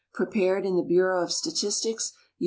Prepared in the Bureau of Statistics, U.